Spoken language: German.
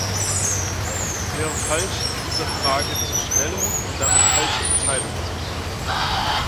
Es wäre falsch, in dieser Frage zu schnelle und damit falsche Entscheidungen zu treffen.